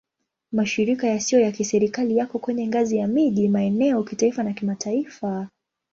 Mashirika yasiyo ya Kiserikali yako kwenye ngazi ya miji, maeneo, kitaifa na kimataifa.